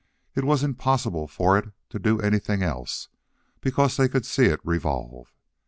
It was impossible for it to do anything else, because they could see it revolve.